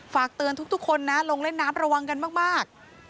ฝากเตือนทุกคนนะลงเล่นน้ำระวังกันมาก